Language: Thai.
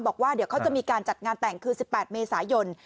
บอกว่าเดี๋ยวเขาจะมีการจัดงานแต่งคือ๑๘เมษายน